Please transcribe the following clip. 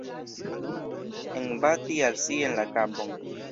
Enbati al si en la kapon.